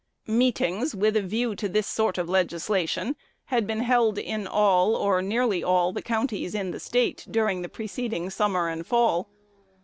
Meetings with a view to this sort of legislation had been held in all, or nearly all, the counties in the State during the preceding summer and fall.